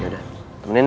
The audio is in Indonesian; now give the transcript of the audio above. ya udah temenin ya